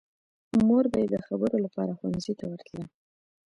مور به یې د خبرو لپاره ښوونځي ته ورتله